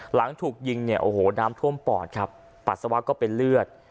หลังถูกยิงเนี่ยโอ้โหน้ำท่วมปอดครับปัสสาวะก็เป็นเลือด